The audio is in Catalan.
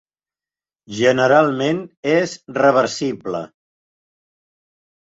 Generalment és reversible.